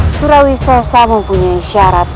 surawi sosa mempunyai syarat